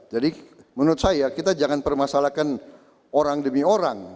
jadi menurut saya kita jangan permasalahkan orang demi orang